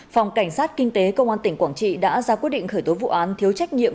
phòng cảnh sát kinh tế công an tỉnh quảng trị đã ra quyết định khởi tố vụ án thiếu trách nhiệm